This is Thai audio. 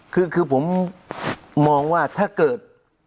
คือผมมองว่าถ้าเกิด